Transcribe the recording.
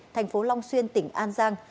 thành phố long xuyên tỉnh an giang